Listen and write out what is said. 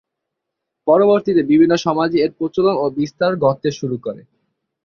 পরবর্তীতে বিভিন্ন সমাজে এর প্রচলন ও বিস্তার ঘটতে শুরু করে।